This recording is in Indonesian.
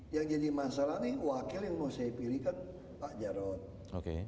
yang jadi masalah nih wakil yang mau saya pilih kan pak jarod